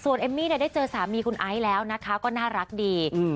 ส่ววเอ็มมี่ได้ได้เจอสามีคุณไอพ์แล้วนะคะก็น่ารักดีอืม